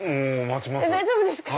大丈夫ですか。